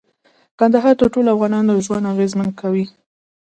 کندهار د ټولو افغانانو ژوند اغېزمن کوي.